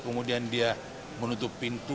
kemudian dia menutup pintu